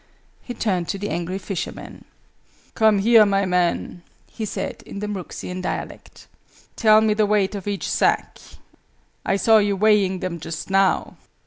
He turned to the angry fishermen. "Come here, my men!" he said, in the Mhruxian dialect. "Tell me the weight of each sack. I saw you weighing them just now."